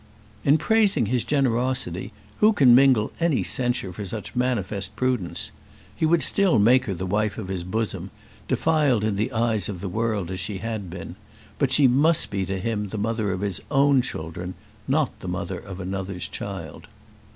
In praising his generosity, who can mingle any censure for such manifest prudence? He would still make her the wife of his bosom, defiled in the eyes of the world as she had been; but she must be to him the mother of his own children, not the mother of another's child.